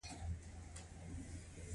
هره ورځ یوه اندازه پیسې لاس ته راځي